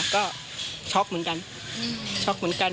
ก็ช็อกเหมือนกัน